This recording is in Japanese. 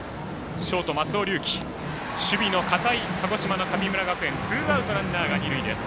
ショート、松尾龍樹守備の堅い鹿児島の神村学園ツーアウト、ランナー、二塁です。